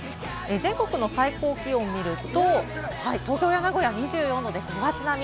全国の最高気温を見ると、東京や名古屋は２４度で、５月並み。